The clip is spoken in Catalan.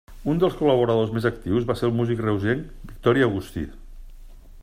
Un dels col·laboradors més actius va ser el músic reusenc Victorí Agustí.